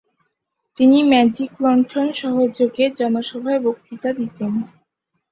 তিনি 'ম্যাজিকলন্ঠন' সহযোগে জনসভায় বক্তৃতা দিতেন।